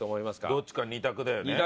どっちか２択だよね。